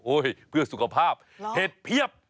โอ้ยเพื่อสุขภาพเผ็ดเพียบ